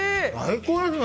最高ですね。